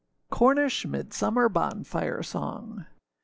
CORNISH MIDSUMMER BONFIRE SONG.